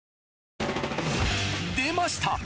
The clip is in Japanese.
出ました！